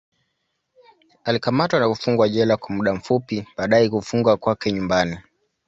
Alikamatwa na kufungwa jela kwa muda fupi, baadaye kufungwa kwake nyumbani.